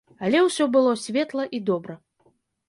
Але ўсё было светла і добра.